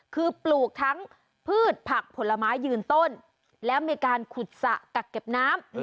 คือปลูกทั้งพืชผักผลไม้ยืนต้นแล้วมีการขุดสระกักเก็บน้ำ